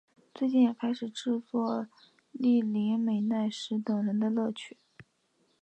最近也开始制作栗林美奈实等人的乐曲。